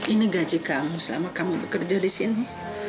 ini gaji kamu selama kamu bekerja di sini